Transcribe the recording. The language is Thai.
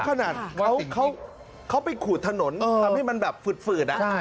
ขนาดเขาไปขูดถนนทำให้มันแบบฝืด